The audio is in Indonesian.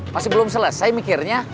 masih belum selesai mikirnya